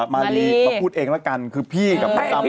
ไม่เพิล